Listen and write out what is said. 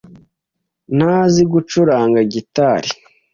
Ntazi gucuranga gitari